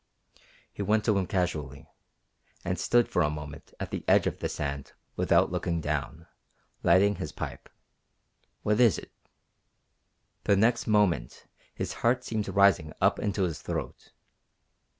He went to him casually, and stood for a moment at the edge of the sand without looking down, lighting his pipe. "What is it?" The next moment his heart seemed rising up into his throat.